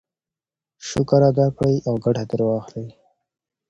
شکر ادا کړئ او ګټه ترې واخلئ.